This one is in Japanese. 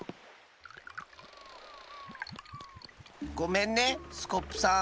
ごめんねスコップさん。